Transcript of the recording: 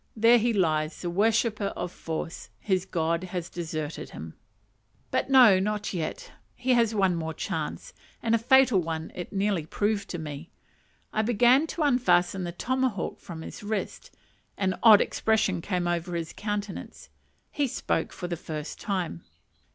There he lies: the worshipper of force. His God has deserted him. But no, not yet. He has one more chance; and a fatal one it nearly proved to me. I began to unfasten the tomahawk from his wrist. An odd expression came over his countenance. He spoke for the first time.